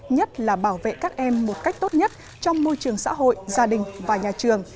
nhất là bảo vệ các em một cách tốt nhất trong môi trường xã hội gia đình và nhà trường